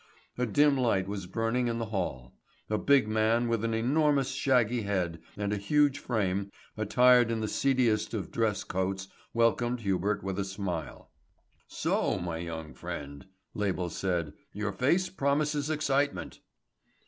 A dim light was burning in the hall. A big man with an enormous shaggy head and a huge frame attired in the seediest of dress coats welcomed Hubert with a smile. "So, my young friend," Label said, "your face promises excitement."